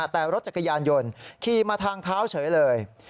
แต่รถจักรยานยนต์ขี่มาทางเท้าเฉยเลย